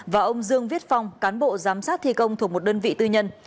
và ông dương viết phong cán bộ giám sát thi công thuộc một đơn vị tư nhân